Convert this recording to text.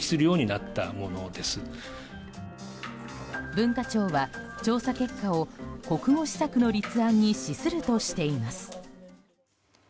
文化庁は調査結果を国語施策の立案に資するとしています。